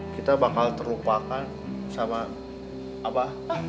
kita bakal terlupakan sama abah